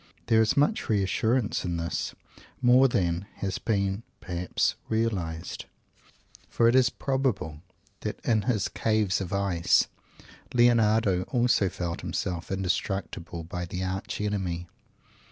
There is much reassurance in this. More than has been, perhaps, realized. For it is probable that "in his caves of ice," Leonardo also felt himself indestructible by the Arch Enemy.